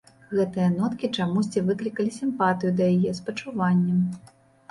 Гэтыя ноткі чамусьці выклікалі сімпатыю да яе, спачуванне.